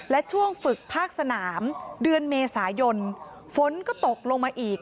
และช่วงฝึกภาคสนามเดือนเมษายนฝนก็ตกลงมาอีก